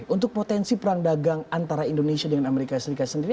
untuk potensi perang dagang antara indonesia dengan amerika serikat sendiri